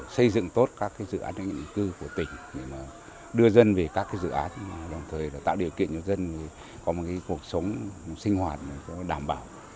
xây dựng tốt các dự án năng lượng cư của tỉnh để đưa dân về các dự án đồng thời tạo điều kiện cho dân có một cuộc sống sinh hoạt đảm bảo